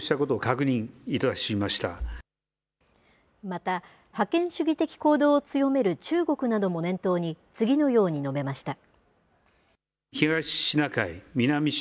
また、覇権主義的行動を強める中国なども念頭に、次のように述べました。